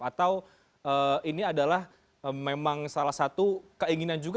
atau ini adalah memang salah satu keinginan juga